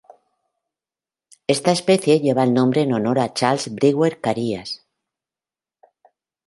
Esta especie lleva el nombre en honor a Charles Brewer-Carías.